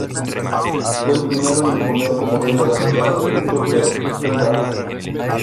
Fue el primero en imponer como regla básica 'un torpedo, un barco'.